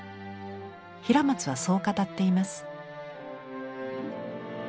平松はそう語っています。